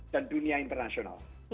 dan dunia internasional